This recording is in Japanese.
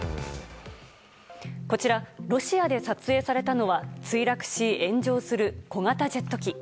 こちらロシアで撮影されたのは墜落し、炎上する小型ジェット機。